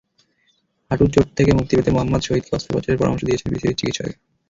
হাঁটুর চোট থেকে মুক্তি পেতে মোহাম্মদ শহীদকে অস্ত্রোপচারের পরামর্শ দিয়েছেন বিসিবির চিকিৎসকেরা।